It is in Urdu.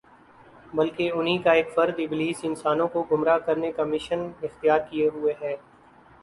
بلکہ انھی کا ایک فرد ابلیس انسانوں کو گمراہ کرنے کا مشن اختیار کیے ہوئے ہے